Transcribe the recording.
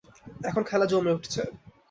এখন খেলা জমে উঠছে।